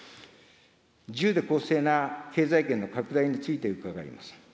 自由で公正な経済圏の拡大について伺います。